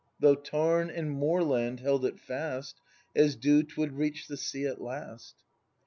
Though tarn and moorland held it fast, — As dew 'twould reach the sea at last.